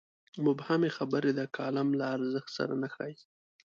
مبهمې خبرې د کالم له ارزښت سره نه ښايي.